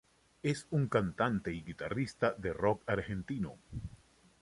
Es un cantante y guitarrista de rock argentino.